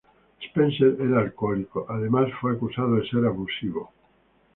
Spencer era alcohólico, además fue acusado de ser abusivo.